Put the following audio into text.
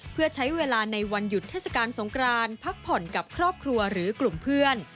เพื่อใช้เวลาในวันหยุดเทศกาลสงครานพักผ่อนกับครอบครัวหรือกลุ่มเพื่อน